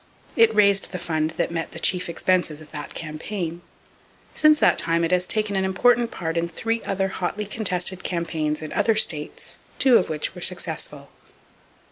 It raised the fund that met the chief expenses of that campaign. Since that time it has taken an important part in three other hotly contested campaigns in other states, two of which were successful.